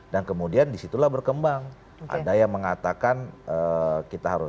dan kemudian disitulah berkembang ada yang mengatakan kita harus